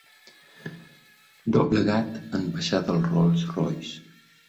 Doblegat en baixar del Rolls Royce.